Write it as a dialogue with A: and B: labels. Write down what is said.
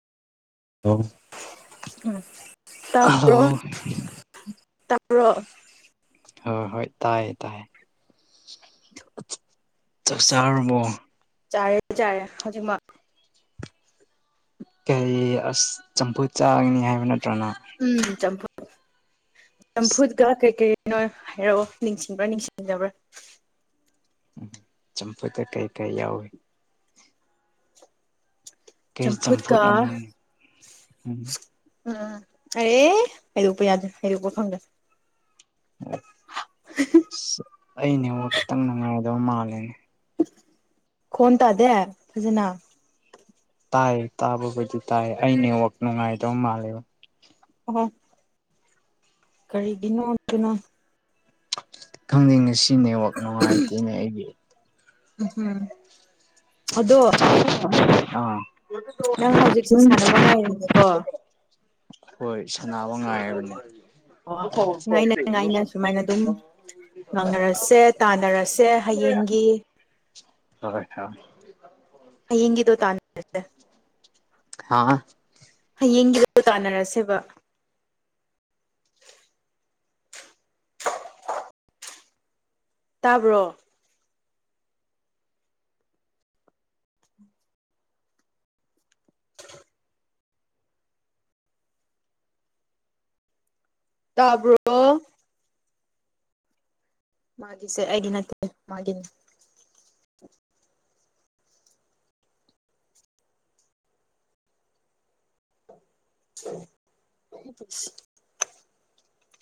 A: ꯎꯝ
B: hello
A: ꯇꯞꯄ꯭ꯔꯣ
B: ꯍꯣꯏ ꯍꯣꯏ ꯇꯥꯏꯌꯦ ꯇꯥꯏꯌꯦ ꯆꯥꯛ ꯆꯥꯔꯕꯣ
A: ꯆꯔꯦ ꯆꯥꯔꯦ ꯍꯧꯖꯤꯛꯃꯛ
B: ꯀꯩ ꯑꯁ ꯆꯝꯐꯨ ꯆꯥꯒꯅꯤ ꯍꯥꯏꯕ ꯅꯠꯇ꯭ꯔꯣ ꯅꯪ
A: ꯎꯝ ꯆꯝꯐꯨꯠ ꯆꯝꯐꯨꯠꯀ ꯀꯩ ꯀꯩ ꯀꯩꯅꯣ ꯍꯥꯏꯔꯛꯑꯣ ꯅꯤꯡꯁꯤꯡꯕ꯭ꯔꯥ ꯅꯤꯡꯁꯤꯡꯗꯥꯕ꯭ꯔꯥ
B: ꯎꯝ ꯆꯝꯐꯨꯠꯇ ꯀꯩ ꯀꯩ ꯌꯥꯎꯏꯤ ꯀꯩ
A: ꯆꯝꯐꯨꯠꯀꯥ
B: ꯆꯝꯐꯨꯠꯅꯣ ꯅꯪ ꯎꯝ
A: ꯎꯝ ꯑꯦꯔꯦ ꯍꯩꯔꯣꯛꯄ ꯌꯥꯗꯦ ꯍꯩꯔꯣꯛꯄ ꯐꯪꯗꯦ
B: ꯑꯣ ꯑꯁ ꯑꯩ ꯅꯦꯠꯋꯥꯛ ꯈꯤꯇꯪ ꯅꯨꯡꯉꯥꯏꯗꯕ ꯃꯥꯜꯂꯦ
A: ꯈꯣꯟ ꯇꯥꯗꯦ ꯐꯖꯅ
B: ꯇꯥꯏ ꯇꯥꯕꯕꯨꯗꯤ ꯇꯥꯏ ꯑꯩ ꯅꯦꯋꯥꯛ ꯅꯨꯡꯉꯥꯏꯗ ꯃꯥꯜꯂꯦꯕ
A: ꯑꯣ ꯀꯔꯤꯒꯤꯅꯣ ꯑꯗꯨꯅ
B: ꯈꯪꯗꯦ ꯉꯁꯤ ꯅꯦꯋꯥꯛ ꯅꯨꯡꯉꯥꯏꯇꯦꯅꯦ ꯑꯩꯒꯤ
A: ꯎꯝ ꯑꯗꯣ
B: ꯑꯥ
A: ꯅꯪ ꯍꯧꯖꯤꯛꯁꯦ ꯁꯥꯟꯅꯕ ꯉꯥꯏꯔꯤꯅꯦꯀꯣ
B: ꯍꯣꯏ ꯁꯥꯟꯅꯕ ꯉꯥꯏꯕꯅꯦ
A: ꯑꯣ ꯉꯥꯏꯅ ꯉꯥꯏꯅ ꯁꯨꯃꯥꯏꯅ ꯑꯗꯨꯝ ꯉꯥꯡꯅꯔꯁꯦ ꯇꯥꯟꯅꯔꯁꯦ ꯍꯌꯦꯡꯒꯤ
B: ꯍꯣꯏ
A: ꯍꯌꯦꯡꯒꯤꯗꯣ ꯇꯥꯟꯅꯔꯁꯦ
B: ꯍꯥꯥ
A: ꯍꯌꯦꯡꯒꯤꯗ ꯇꯥꯟꯅꯔꯁꯦꯕ ꯇꯥꯕ꯭ꯔꯣ ꯇꯥ꯭ꯔꯣ ꯑꯣ ꯃꯥꯒꯤꯁꯦ ꯑꯩꯒꯤ ꯅꯠꯇꯦ ꯃꯥꯒꯤꯅꯦ [unintelligible]